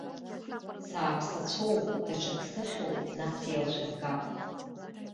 Сааԥсацәоу, даҽак сыхьу нас еилшәыргап.